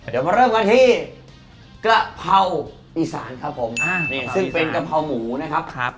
เดี๋ยวเรามาเริ่มกันที่